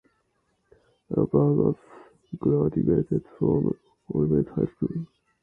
Burgos graduated from Olney High School.